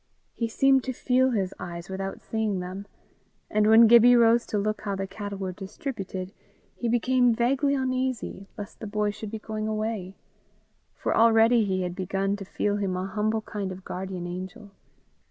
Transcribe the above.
He seemed to feel his eyes without seeing them; and when Gibbie rose to look how the cattle were distributed, he became vaguely uneasy lest the boy should be going away. For already he had begun to feel him a humble kind of guardian angel.